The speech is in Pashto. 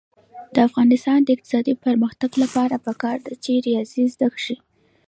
د افغانستان د اقتصادي پرمختګ لپاره پکار ده چې ریاضي زده شي.